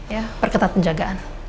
ya perketatan jagaan